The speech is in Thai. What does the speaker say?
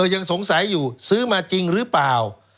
ยังสงสัยอยู่ซื้อมาจริงหรือเปล่า